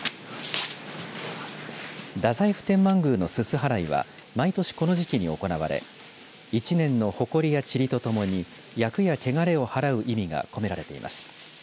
太宰府天満宮のすす払いは毎年、この時期に行われ１年のほこりや、ちりとともに厄やけがれを払う意味が込められています。